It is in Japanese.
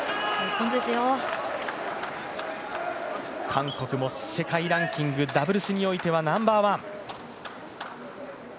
韓国も、世界ランキングダブルスにおいてはナンバーワン。